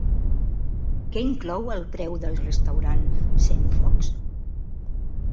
Què inclou el preu del restaurant Centfocs?